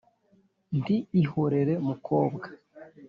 nti ihorere mukobwa